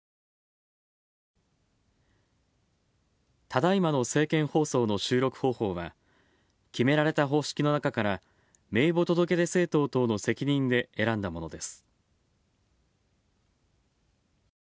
ただいまの政見放送の収録方法は、決められた方式の中から名簿届出政党等の責任で選んだものです。